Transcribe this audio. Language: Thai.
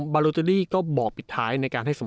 บาร์โลเตอรี่ก็บอกติดท้ายในการ